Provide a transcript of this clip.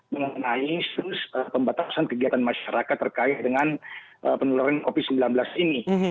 mengenai instruksi pembatasan kegiatan masyarakat terkait dengan peneluan opi sembilan belas ini